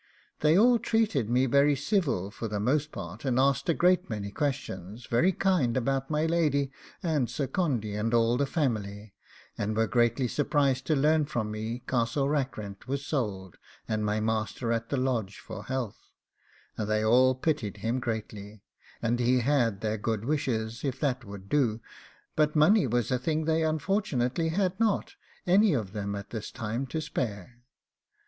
They all treated me very civil for the most part, and asked a great many questions very kind about my lady and Sir Condy and all the family, and were greatly surprised to learn from me Castle Rackrent was sold, and my master at the Lodge for health; and they all pitied him greatly, and he had their good wishes, if that would do; but money was a thing they unfortunately had not any of them at this time to spare.